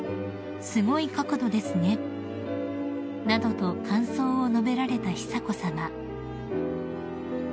「すごい角度ですね」などと感想を述べられた久子さま］